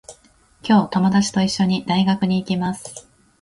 今日、ともだちといっしょに、大学に行きます。